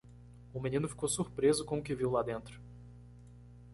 O menino ficou surpreso com o que viu lá dentro.